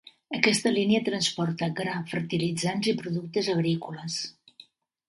Aquesta línia transporta gra, fertilitzants i productes agrícoles.